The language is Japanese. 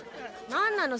何なの？